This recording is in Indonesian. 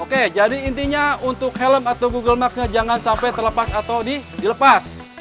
oke jadi intinya untuk helm atau google mapsnya jangan sampai terlepas atau dilepas